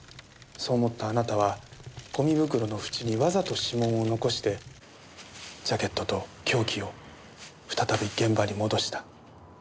そう思ったあなたはゴミ袋の縁にわざと指紋を残してジャケットと凶器を再び現場に戻した。